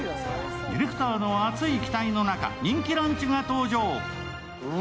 ディレクターの熱い期待の中、人気ランチが登場。